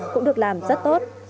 cũng được làm rất tốt